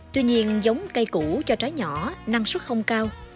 tuy nhiên giống cây cũ cho trái nhỏ năng suất không cao